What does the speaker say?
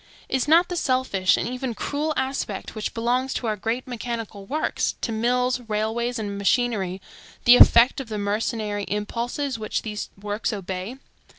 Is not the selfish and even cruel aspect which belongs to our great mechanical works, to mills, railways, and machinery, the effect of the mercenary impulses which these works obey?